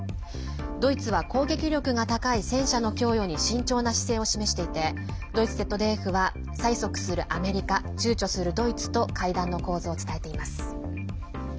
ドイツは攻撃力が高い戦車の供与に慎重な姿勢を示していてドイツＺＤＦは催促するアメリカちゅうちょするドイツと会談の構図を伝えています。